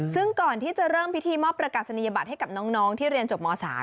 ซึ่งก่อนที่จะเริ่มพิธีมอบประกาศนียบัตรให้กับน้องที่เรียนจบม๓